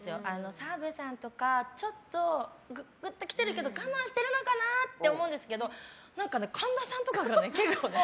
澤部さんとか、ちょっとグッと来てるけど我慢してるのかなって思うんですけど神田さんとかが結構ね。